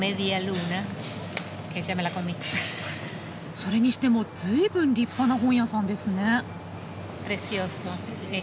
それにしても随分立派な本屋さんですね。